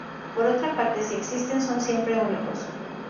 Por otra parte, si existen son siempre únicos.